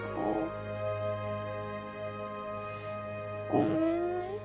ごめんね。